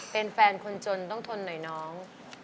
เป็นแฟนคนจนต้องทนหน่อยน้อง